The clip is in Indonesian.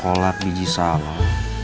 kolat biji salam